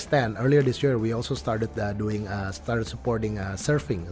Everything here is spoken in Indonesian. saya pikir dalam kecil tahun ini kami juga mulai mendukung surfing